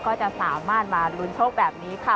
ก็จะสามารถมาลุ้นโชคแบบนี้ค่ะ